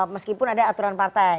meskipun ada aturan partai